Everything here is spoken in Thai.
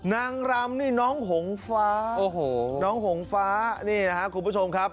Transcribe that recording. นางรำนี่น้องหงฟ้าโอ้โหน้องหงฟ้านี่นะครับคุณผู้ชมครับ